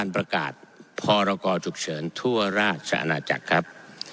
พลกจุกเฉินทั่วราชนะจักรครับ